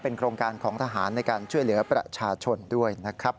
โครงการของทหารในการช่วยเหลือประชาชนด้วยนะครับ